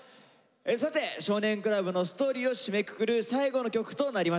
さて「少年倶楽部」の「ＳＴＯＲＹ」を締めくくる最後の曲となりました。